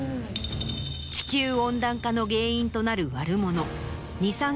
地球温暖化の原因となる悪者。